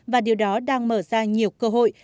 và điều đó đang mở ra nhiều cơ hội